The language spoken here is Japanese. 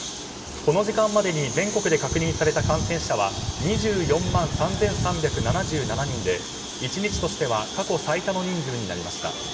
この時間までの全国で確認された感染者は２４万３３７７人で１日としては過去最多の人数になりました。